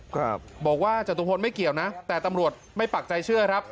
ครับบอกว่าจตุพลไม่เกี่ยวนะแต่ตำรวจไม่ปักใจเชื่อครับ